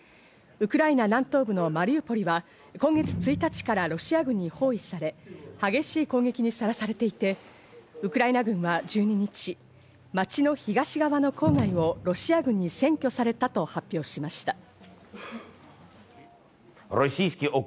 ウクライナ南東部のマリウポリは今月１日からロシア軍に包囲され、激しい攻撃にさらされていて、ウクライナ軍は１２日、町の東側の郊外をロシア軍に占拠されたと発表しました。